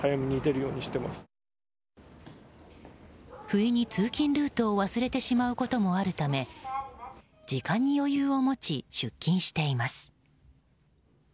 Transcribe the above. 不意に通勤ルートを忘れてしまうこともあるため時間に余裕を持ち出勤しています。